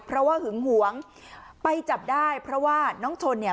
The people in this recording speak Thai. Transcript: เพราะว่าหึงหวงไปจับได้เพราะว่าน้องชนเนี่ย